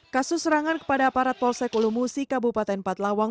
kasus serangan kepada aparat polsek ulu musi kabupaten empat lawang